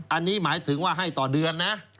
อันนี้หมายถึงว่าให้ต่อเดือนนะ